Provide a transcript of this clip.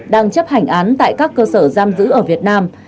đang chấp hành án tại các cơ sở giam giữ ở việt nam